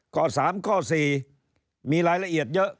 ข้อ๓ข้อ๔มีรายละเอียดเยอะ